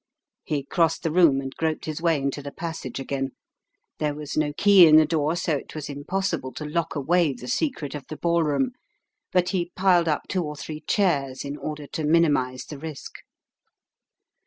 He crossed the room, and groped his way into the passage again. There was no key in the door, so it was impossible to lock away the secret of the ball The Home Coming 25 room, but he piled up two or three chairs in order to minimize the risk.